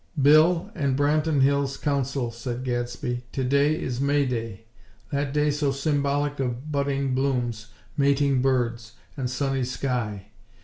"Bill, and Branton Hills' Council," said Gadsby, "today is May Day that day so symbolic of budding blossoms, mating birds and sunny sky.